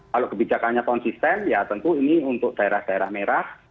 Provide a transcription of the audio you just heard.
kalau kebijakannya konsisten ya tentu ini untuk daerah daerah merah